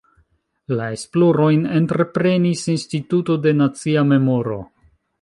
La esplorojn entreprenis Instituto de Nacia Memoro.